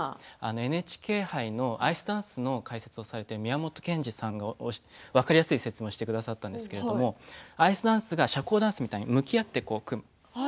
ＮＨＫ杯のアイスダンスの解説をされている宮本賢二さんが分かりやすい説明をされてくださったんですけれどもアイスダンスは社交ダンスみたいに向き合って組む。